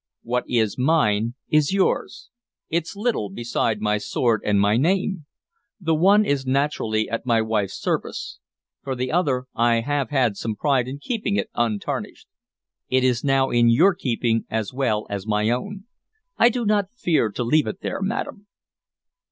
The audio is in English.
What is mine is yours: it's little beside my sword and my name. The one is naturally at my wife's service; for the other, I have had some pride in keeping it untarnished. It is now in your keeping as well as my own. I do not fear to leave it there, madam."